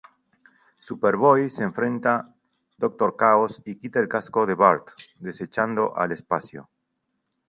Superboy se enfrenta doctor Caos y quita el casco de Burt, desechando al espacio.